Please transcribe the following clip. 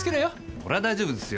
俺は大丈夫ですよ。